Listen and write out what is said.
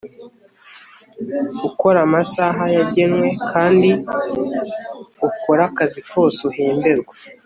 ukora amasaha yagenwe kandi ukore akazi kose uhemberwa